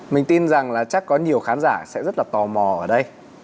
mình tin rằng là chắc có nhiều khán giả sẽ rất là tò mò ở đây